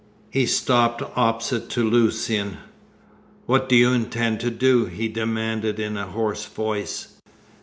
He stopped opposite to Lucian. "What do you intend to do?" he demanded in a hoarse voice.